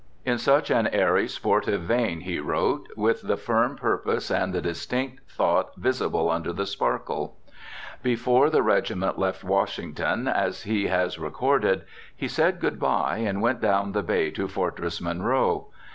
In such an airy, sportive vein he wrote, with the firm purpose and the distinct thought visible under the sparkle. Before the regiment left Washington, as he has recorded, he said good bye and went down the bay to Fortress Monroe.